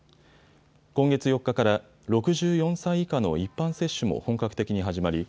今月４日から６４歳以下の一般接種も本格的に始まり